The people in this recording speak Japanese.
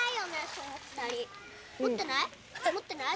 その２人持ってない？